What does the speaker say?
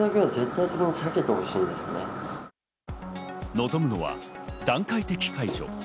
望むのは段階的解除。